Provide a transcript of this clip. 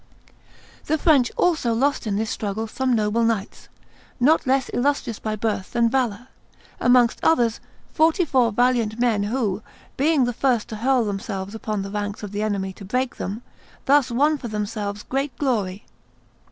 The French also lost in this struggle some noble knights, not less illustrious by birth than valor, amongst others forty four valiant men who, being the first to hurl themselves upon the ranks of the enemy to break them, thus won for themselves great glory."